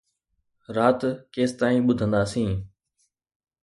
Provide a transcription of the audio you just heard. رات ڪيستائين ٻڌنداسين؟